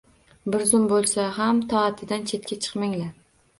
Bir zum boʻlsa ham toatidan chetga chiqmanglar.